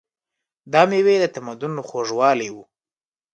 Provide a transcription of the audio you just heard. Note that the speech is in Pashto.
دا مېوې د تمدن خوږوالی و.